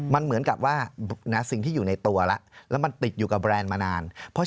มันเหมือนกับว่าสิ่งที่อยู่ในตัวแล้ว